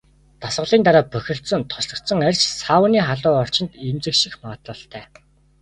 Дасгалын дараа бохирдсон, тослогжсон арьс сауны халуун орчинд эмзэгших магадлалтай.